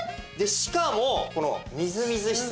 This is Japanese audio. しかもこのみずみずしさ。